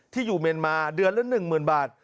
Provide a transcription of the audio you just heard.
ที่อยู่เมริกาเดือนละหนึ่งหมื่นบาท